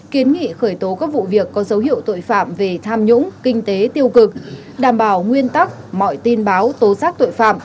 kiến nghị khởi tố các vụ việc có dấu hiệu tội phạm về tham nhũng kinh tế tiêu cực đảm bảo nguyên tắc mọi tin báo tố xác tội phạm